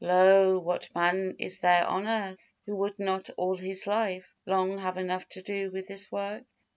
Lo! what man is there on earth, who would not all his life long have enough to do with this work?